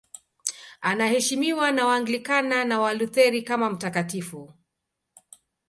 Anaheshimiwa na Waanglikana na Walutheri kama mtakatifu.